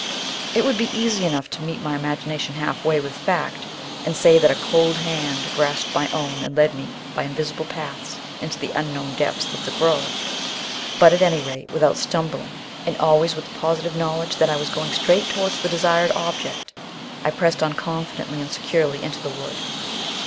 It would be easy enough to meet my imagination half way with fact, and say that a cold hand grasped my own and led me by invisible paths into the unknown depths of the grove; but at any rate, without stumbling, and always with the positive knowledge that I was going straight towards the desired object, I pressed on confidently and securely into the wood.